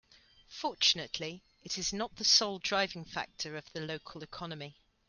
Fortunately its not the sole driving factor of the local economy.